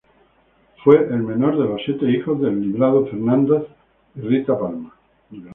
Fue el menor de los siete hijos de Librado Fernández y Rita Palma.